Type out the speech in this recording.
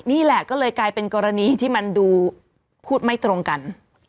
นี่แหละก็เลยกลายเป็นกรณีที่มันดูพูดไม่ตรงกัน